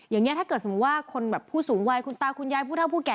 อย่างนี้ถ้าเกิดสมมุติว่าคนแบบผู้สูงวัยคุณตาคุณยายผู้เท่าผู้แก่